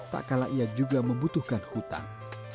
tak kalah ia juga membutuhkan hutan